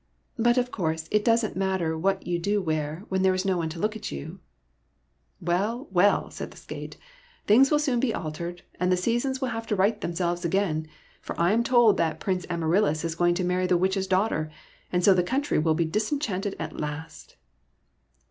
'' But, of course, it does n't matter what you do wear when there is no one to look at you !" "Well, well," said the skate, "things will soon be altered, and the seasons will have to right themselves again, for I am told that Prince Amaryllis is going to marry the Witch's daughter, and so the country will be disen chanted at last.